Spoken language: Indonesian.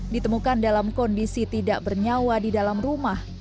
ditemukan dalam kondisi tidak bernyawa di dalam rumah